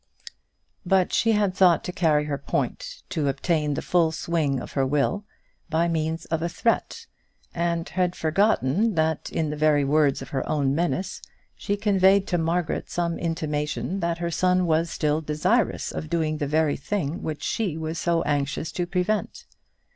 But she had thought to carry her point, to obtain the full swing of her will, by means of a threat, and had forgotten that in the very words of her own menace she conveyed to Margaret some intimation that her son was still desirous of doing that very thing which she was so anxious to prevent.